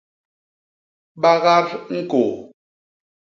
Bagat ñkôô.